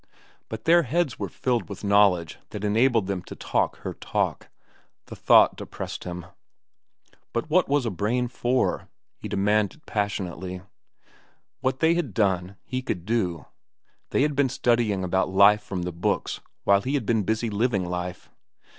But their heads were filled with knowledge that enabled them to talk her talk,—the thought depressed him. But what was a brain for? he demanded passionately. What they had done, he could do. They had been studying about life from the books while he had been busy living life.